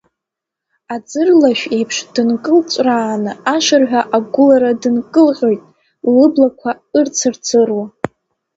Аӡырлашә еиԥш, дынкылҵәрааны, ашырҳәа агәылара дынкылҟьоит, лыблақәа ырцырцыруа.